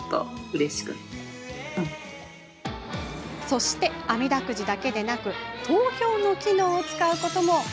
そして、あみだくじだけでなく投票の機能を使うことも。